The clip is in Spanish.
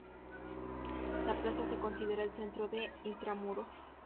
La plaza se considera el centro de Intramuros.